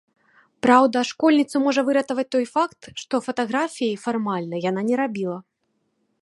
Праўда, школьніцу можа выратаваць той факт, што фатаграфіі, фармальна, яна не рабіла.